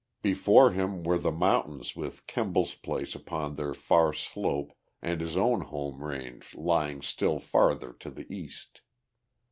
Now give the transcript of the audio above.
Before him were the mountains with Kemble's place upon their far slope and his own home range lying still farther to the east.